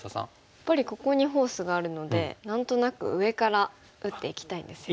やっぱりここにフォースがあるので何となく上から打っていきたいですね。